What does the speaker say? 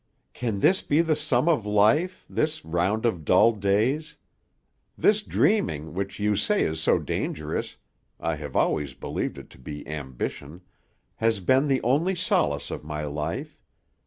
"Can this be the sum of life, this round of dull days? This dreaming which you say is so dangerous I have always believed it to be ambition has been the only solace of my life.